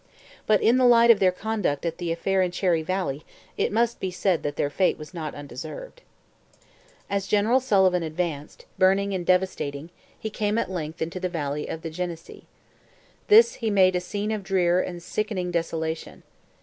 But in the light of their conduct at the affair in Cherry Valley it must be said that their fate was not undeserved. As General Sullivan advanced, burning and devastating, he came at length into the valley of the Genesee. This he made 'a scene of drear and sickening desolation.